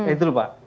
itu lho pak